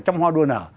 trong hoa đua nở